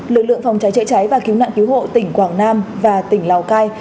lực lượng phòng cháy chữa cháy và cứu nạn cứu hộ tỉnh quảng nam và tỉnh lào cai